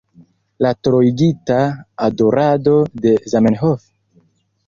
La troigita adorado de Zamenhof?